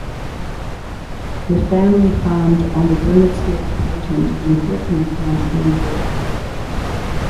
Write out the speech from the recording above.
The family farmed on the Burnetsfield Patent in Herkimer County, New York.